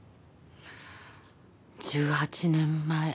１８年前。